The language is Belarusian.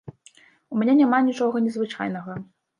У мяне няма нічога незвычайнага.